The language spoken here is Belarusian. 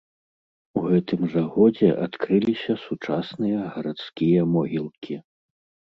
У гэтым жа годзе адкрыліся сучасныя гарадскія могілкі.